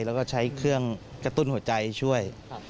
แล้วก็ใช้เครื่องกระตุ้นหัวใจช่วย